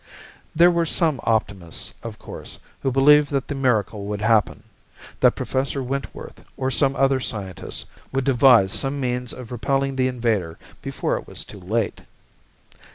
There were some optimists, of course, who believed that the miracle would happen that Professor Wentworth or some other scientist would devise some means of repelling the invader before it was too late.